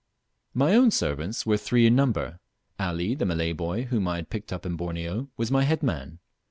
My own servants were three in number. Ali, the Malay boy whom I had picked up in Borneo, was my head man.